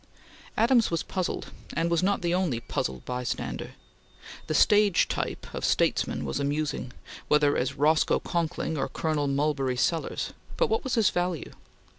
Adams was puzzled, and was not the only puzzled bystander. The stage type of statesman was amusing, whether as Roscoe Conkling or Colonel Mulberry Sellers, but what was his value?